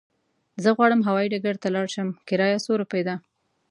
زه غواړم هوايي ډګر ته ولاړ شم، کرايه څو روپی ده؟